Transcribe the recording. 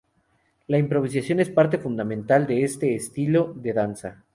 La improvisación es parte fundamental de este estilo de danza.